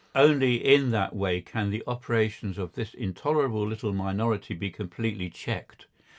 Only in that way can the operations of this intolerable little minority be completely checked.